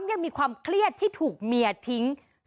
เรื่องนี้เกิดอะไรขึ้นไปเจาะลึกประเด็นร้อนจากรายงานค่ะ